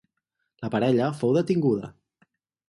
La parella fou detinguda.